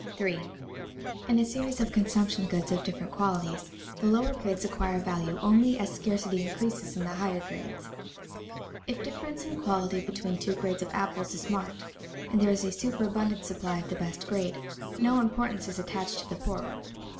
[Sidenote: Relation of different grades of consumption goods] 3. _In a series of consumption goods of different qualities, the lower grades acquire value only as scarcity increases in the higher grades._ If difference in quality between two grades of apples is marked and there is a superabundant supply of the best grade, no importance is attached to the poorer.